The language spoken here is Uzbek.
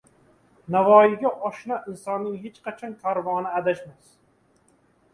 Navoiyga oshno insonning hech qachon karvoni adashmas